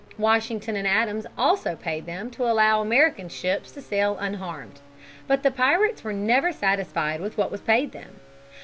Washington and Adams also paid them to allow American ships to sail unharmed. But the pirates were never satisfied with what was paid them.